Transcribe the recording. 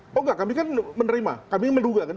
oh enggak kami kan menerima kami menduga kan